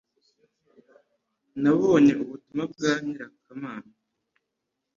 Nabonye ubutumwa bwa nyirakamana